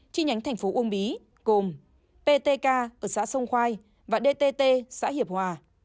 chi nhánh thành phố uông bí gồm ptk ở xã sông khoai và dtt xã hiệp hòa